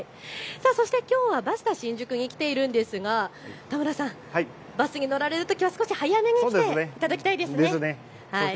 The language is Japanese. そして、きょうはバスタ新宿に来ているんですがバスに乗られるときは少し早めに来ていただきたいですよね。